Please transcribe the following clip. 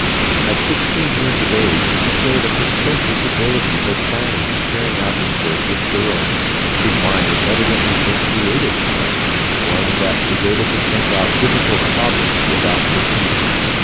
At sixteen years of age he showed a precocious ability for planning and carrying out his work with thoroughness. His mind was evidently a creative mind, one that was able to think out difficult problems without fatigue.